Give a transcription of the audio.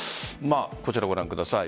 こちらご覧ください。